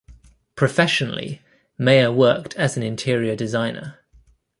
Professionally, Mayer worked as an interior designer.